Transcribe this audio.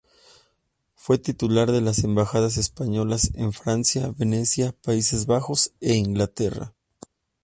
Fue titular de las embajadas españolas en Francia, Venecia, Países Bajos e Inglaterra.